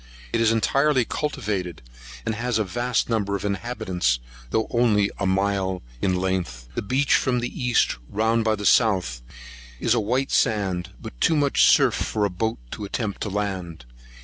It is entirely cultivated, and a vast number of inhabitants, though only a mile in length. The beach from the east, round by the south, is a white sand, but too much surf for a boat to attempt to land.